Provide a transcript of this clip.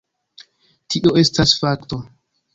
Tio estas fakto.